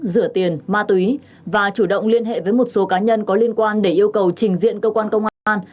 rửa tiền ma túy và chủ động liên hệ với một số cá nhân có liên quan để yêu cầu trình diện cơ quan công an